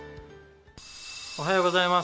おはようございます。